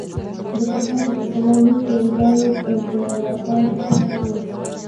د پخوا په پرتله اوس پوځي تدارکات زیات وو.